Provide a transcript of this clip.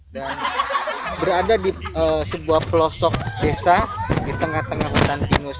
dan berada di sebuah pelosok desa di tengah tengah hutan pinus